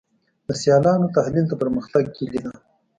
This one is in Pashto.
د سیالانو تحلیل د پرمختګ کلي ده.